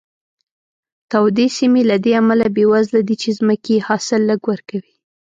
تودې سیمې له دې امله بېوزله دي چې ځمکې یې حاصل لږ ورکوي.